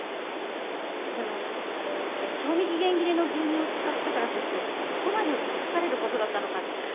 でも賞味期限切れの牛乳を使ったからといってそこまでたたかれることだったのか。